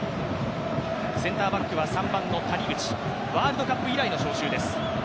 センターバックは谷口ワールドカップ以来の招集です。